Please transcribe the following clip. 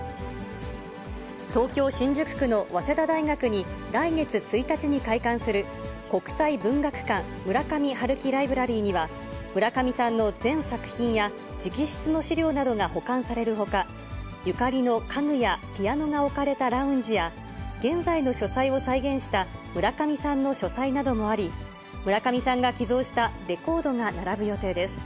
東京・新宿区の早稲田大学に、来月１日に開館する国際文学館、村上春樹ライブラリーには、村上さんの全作品や直筆の資料などが保管されるほか、ゆかりの家具やピアノが置かれたラウンジや、現在の書斎を再現した村上さんの書斎などもあり、村上さんが寄贈したレコードが並ぶ予定です。